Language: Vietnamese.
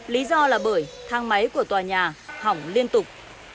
lý do là bởi thang máy của tòa nhà hỏng liên tục